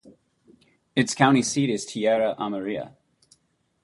Its county seat is Tierra Amarilla.